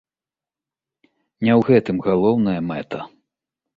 Не ў гэтым галоўная мэта.